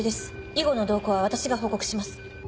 以後の動向は私が報告します。